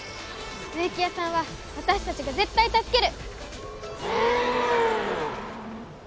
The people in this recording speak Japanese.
植木屋さんは私たちが絶対助ける！